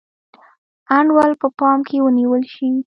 انډول په پام کې ونیول شي.